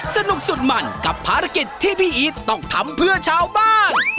สนุกสุดมันกับภารกิจที่พี่อีทต้องทำเพื่อชาวบ้าน